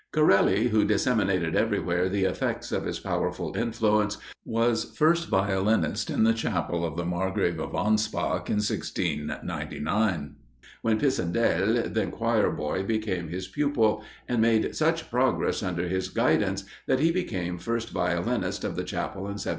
Corelli, who disseminated everywhere the effects of his powerful influence, was first violinist in the chapel of the Margrave of Anspach, in 1699, when Pisendel, then choir boy, became his pupil, and made such progress under his guidance, that he became first violinist of the chapel in 1702.